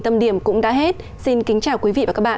tâm điểm cũng đã hết xin kính chào quý vị và các bạn